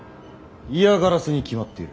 嫌がらせに決まっている。